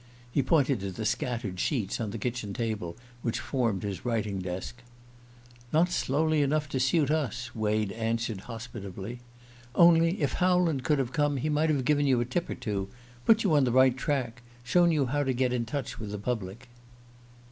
He pointed to the scattered sheets on the kitchen table which formed his writing desk. "Not slowly enough to suit us," Wade answered hospitably. "Only, if Howland could have come he might have given you a tip or two put you on the right track shown you how to get in touch with the public."